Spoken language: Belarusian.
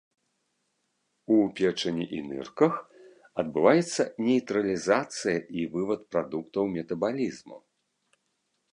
У печані і нырках адбываецца нейтралізацыя і вывад прадуктаў метабалізму.